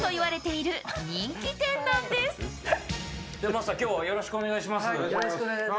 マスター今日はよろしくお願いします。